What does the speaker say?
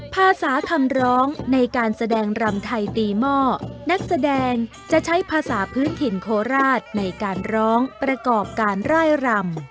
ภาษาคำร้องในการแสดงรำไทยตีหม้อนักแสดงจะใช้ภาษาพื้นถิ่นโคราชในการร้องประกอบการร่ายรำ